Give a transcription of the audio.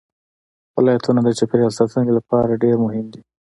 ولایتونه د چاپیریال ساتنې لپاره ډېر مهم دي.